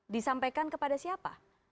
disampaikan kepada siapa